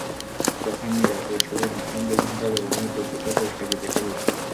যখন নিরাজের ছবি মাসান দুই ঘণ্টার ব্যবধানে দু-দুটো পুরস্কার জিতে ফেলল।